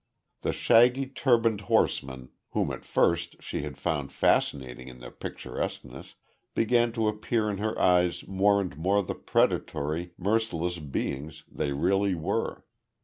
The shaggy, turbaned horsemen, whom at first she had found fascinating in their picturesqueness, began to appear in her eyes more and more the predatory, merciless beings they really were.